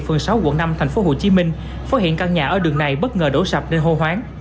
phường sáu quận năm tp hcm phát hiện căn nhà ở đường này bất ngờ đổ sập gây hô hoáng